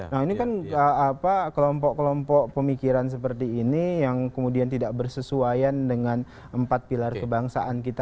nah ini kan kelompok kelompok pemikiran seperti ini yang kemudian tidak bersesuaian dengan empat pilar kebangsaan kita